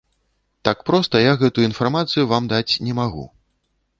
Так проста я гэтую інфармацыю вам даць не магу.